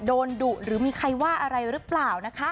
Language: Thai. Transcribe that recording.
ดุหรือมีใครว่าอะไรหรือเปล่านะคะ